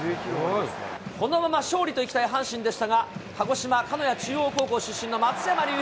このまま勝利といきたい阪神でしたが、鹿児島・かのや中央高校出身のまつやまりゅう